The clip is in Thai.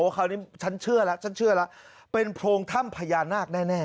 คราวนี้ฉันเชื่อแล้วฉันเชื่อแล้วเป็นโพรงถ้ำพญานาคแน่